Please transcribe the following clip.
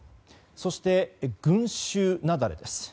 そして、群衆雪崩です。